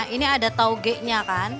ini ada tauge nya kan